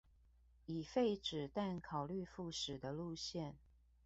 已廢止但考慮復駛的路線